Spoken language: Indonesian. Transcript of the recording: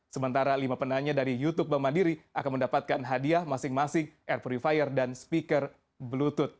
sementara lima penanya dari youtube bank mandiri akan mendapatkan hadiah masing masing air purifier dan speaker bluetooth